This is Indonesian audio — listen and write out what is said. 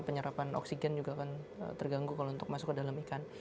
penyerapan oksigen juga kan terganggu kalau untuk masuk ke dalam ikan